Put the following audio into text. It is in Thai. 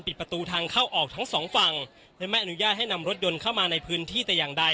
ปิดปัตรูทางเข้าออกทั้ง๒ฝั่งและแม่อนุญาตให้นำรถดนเข้ามาในพื้นที่แต่